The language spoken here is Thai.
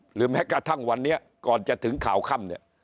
หรือแม้กระทั่งวันนี้ก่อนจะถึงข่าวค่ำเนี่ย